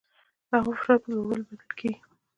د هوا فشار په لوړوالي بدل کېږي.